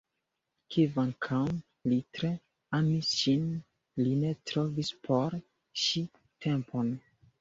Kvankam li tre amis ŝin, li ne trovis por ŝi tempon.